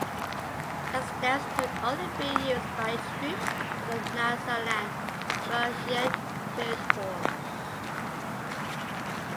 The stamps could only be used by troops of the Nyasaland Rhodesian Field Force.